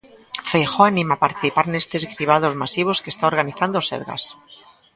Feijóo anima a participar neses cribados masivos que está organizando o Sergas.